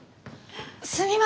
すみません！